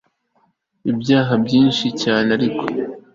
ibyaha byinshi cyane; ariko